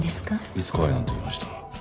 いつ怖いなんて言いました？